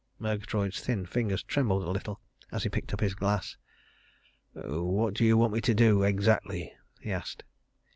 Murgatroyd's thin fingers trembled a little as he picked up his glass. "What do you want me to do exactly?" he asked.